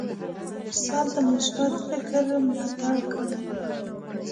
استاد د مثبت فکر ملاتړ کوي.